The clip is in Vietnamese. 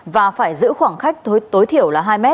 và phải giữ khoảng khách tối thiểu là hai mét